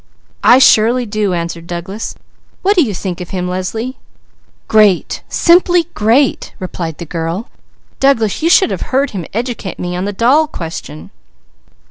"I surely do!" answered Douglas. "What do you think of him, Leslie?" "Great! Simply great!" cried the girl. "Douglas you should have heard him educate me on the doll question."